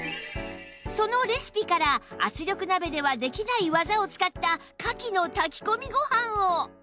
そのレシピから圧力鍋ではできない技を使ったかきの炊き込みご飯を！